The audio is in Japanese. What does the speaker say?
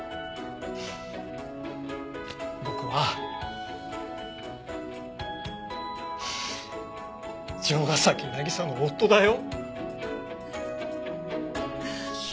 僕は城ヶ崎渚の夫だよ。